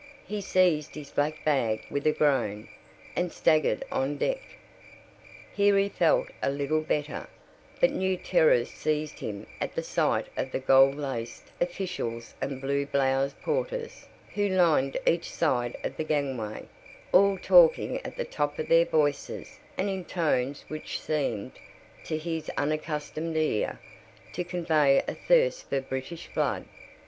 He seized his black bag with a groan, and staggered on deck. Here he felt a little better, but new terrors seized him at the sight of the gold laced officials and blue bloused porters, who lined each side of the gangway, all talking at the top of their voices, and in tones which seemed, to his unaccustomed ear, to convey a thirst for British blood.